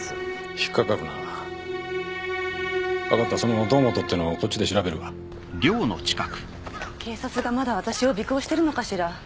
引っ掛かるな分かったその堂本ってのこっちで調べるわ警察がまだ私を尾行してるのかしら？